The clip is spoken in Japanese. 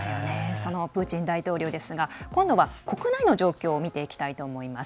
そのプーチン大統領ですが今度は国内の状況を見ていきたいと思います。